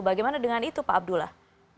bagaimana dengan itu pak abdullah